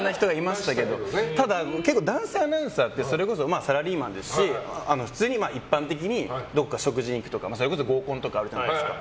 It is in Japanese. ただ、結構男性アナウンサーってサラリーマンですし普通に一般的にどこか食事に行くとかそれこそ合コンとかあるじゃないですか。